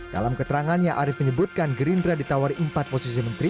dalam keterangannya arief menyebutkan gerindra ditawari empat posisi menteri